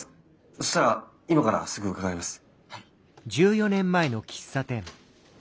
そしたら今からすぐ伺います。